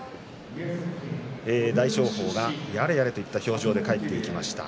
大翔鵬はやれやれといった表情で帰ってきました。